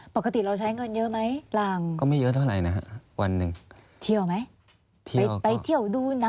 ปกติเราใช้เงินเยอะมั้ย